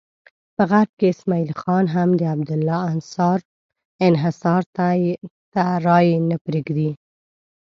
په غرب کې اسماعیل خان هم د عبدالله انحصار ته رایې نه پرېږدي.